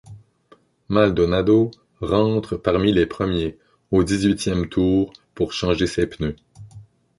Maldonado rentre parmi les premiers, au dix-huitième tour, pour changer ses pneus.